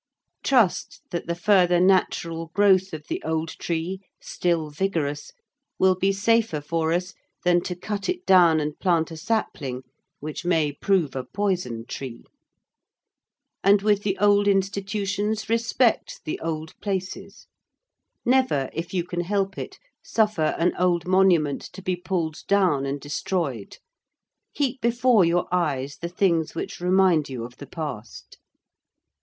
Trust that the further natural growth of the old tree still vigorous will be safer for us than to cut it down and plant a sapling, which may prove a poison tree. And with the old institutions respect the old places. Never, if you can help it, suffer an old monument to be pulled down and destroyed. Keep before your eyes the things which remind you of the past.